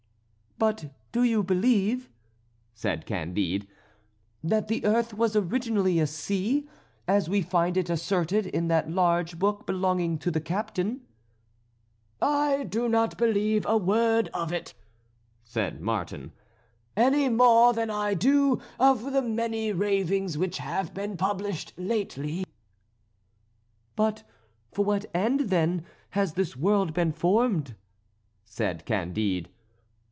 "But do you believe," said Candide, "that the earth was originally a sea, as we find it asserted in that large book belonging to the captain?" "I do not believe a word of it," said Martin, "any more than I do of the many ravings which have been published lately." "But for what end, then, has this world been formed?" said Candide.